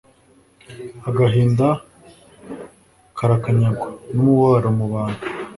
agahinda karakanyagwa, n'umubano mu bantu